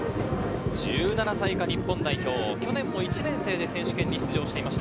１７歳以下日本代表、去年も１年生で選手権に出場していました。